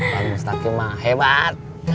pak mustahakima hebat